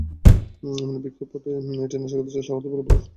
এমন প্রেক্ষাপটে এটি নাশকতার চেষ্টা হতে পারে বলে সন্দেহ করা হচ্ছে।